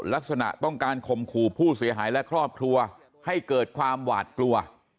ลักษณะต้องการข่มขู่ผู้เสียหายและครอบครัวให้เกิดความหวาดกลัว